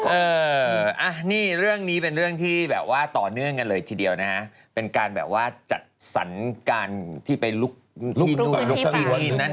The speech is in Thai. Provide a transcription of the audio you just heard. เออนี่เรื่องนี้เป็นเรื่องที่ต่อเนื่องกันเลยทีเดียวนะคะเป็นการแบบว่าจัดสรรการที่ไปลุกมือพี่ปลา